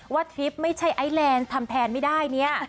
ทริปไม่ใช่ไอแลนด์ทำแทนไม่ได้เนี่ย